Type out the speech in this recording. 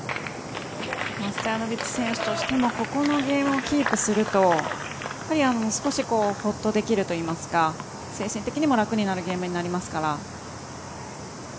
ストヤノビッチ選手としてもここをキープすると少しほっとできるといいますか精神的にも楽になるゲームになりますから。